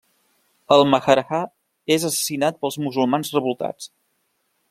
El Maharajà és assassinat pels musulmans revoltats.